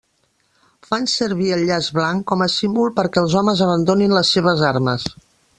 Fan servir el llaç blanc com a símbol perquè els homes abandonin les seves armes.